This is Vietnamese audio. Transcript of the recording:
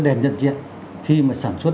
đèn nhận diện khi mà sản xuất